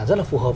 rất là phù hợp